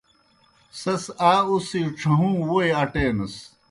سیْس آ اُڅِھجیْ ڇھہُوں ووئی اٹینَس۔